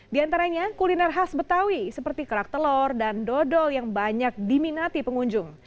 di antaranya kuliner khas betawi seperti kerak telur dan dodol yang banyak diminati pengunjung